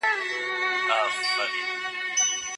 تاریخي روایتونه کله کله ډېر تریخ حقیقتونه بیانوي.